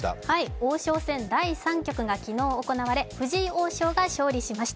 王将戦第３局が昨日行われ、藤井王将が勝利しました。